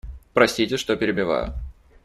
Простите, что перебиваю.